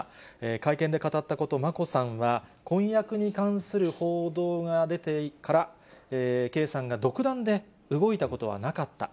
会見で語ったこと、眞子さんは、婚約に関する報道が出てから、圭さんが独断で動いたことはなかった。